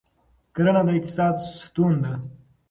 کرنه د اقتصاد ستون ده.